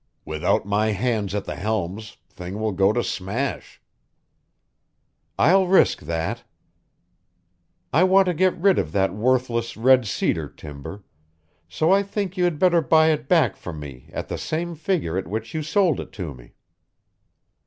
Without my hand at the helms, things will go to smash." "I'll risk that. I want to get rid of that worthless red cedar timber; so I think you had better buy it back from me at the same figure at which, you sold it to me."